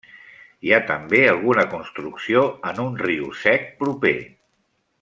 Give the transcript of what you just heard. Hi ha també alguna construcció en un riu sec proper.